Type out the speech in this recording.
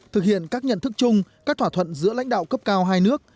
thực hiện các nhận thức chung các thỏa thuận giữa lãnh đạo cấp cao hai nước